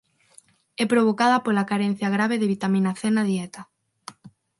É provocada pola carencia grave de vitamina C na dieta.